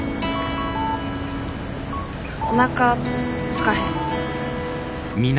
おなかすかへん？